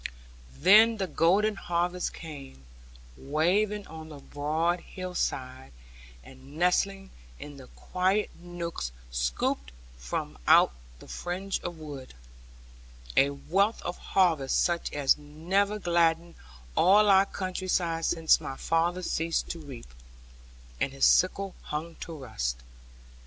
Then the golden harvest came, waving on the broad hill side, and nestling in the quiet nooks scooped from out the fringe of wood. A wealth of harvest such as never gladdened all our country side since my father ceased to reap, and his sickle hung to rust.